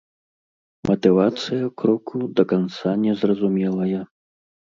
Матывацыя кроку да канца незразумелая.